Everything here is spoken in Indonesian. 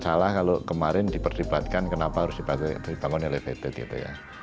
salah kalau kemarin diperdebatkan kenapa harus dibangun elevated gitu ya